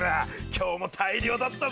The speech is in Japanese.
今日も大漁だったぞ！